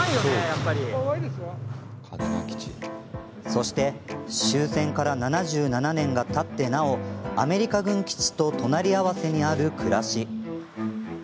そして、終戦から７７年がたってなおアメリカ軍基地と隣り合わせにある暮らし。